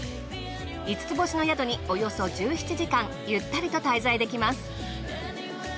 ５つ星の宿におよそ１７時間ゆったりと滞在できます。